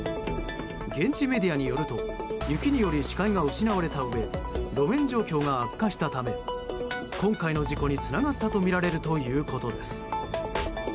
現地メディアによると雪により視界が失われたうえ路面状況が悪化したため今回の事故につながったとみられるということです。